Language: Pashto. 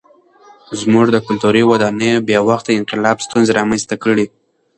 زموږ د کلتوري ودانیو بې وخته انقلاب ستونزې رامنځته کړې.